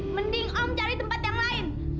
mending om cari tempat yang lain